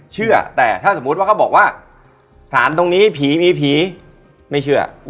เชื่อแต่ถ้าสมมุติว่าเขาบอกว่าสารตรงนี้ผีมีผีไม่เชื่อ